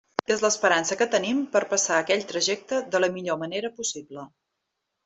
És l'esperança que tenim per a passar aquell trajecte de la millor manera possible.